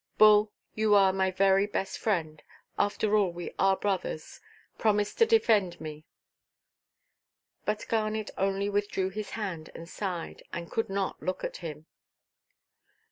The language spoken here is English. "Bull, you are my very best friend. After all, we are brothers. Promise to defend me." But Garnet only withdrew his hand, and sighed, and could not look at him.